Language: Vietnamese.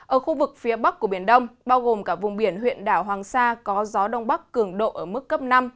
ở khu vực phía bắc của biển đông bao gồm cả vùng biển huyện đảo hoàng sa có gió đông bắc cường độ ở mức cấp năm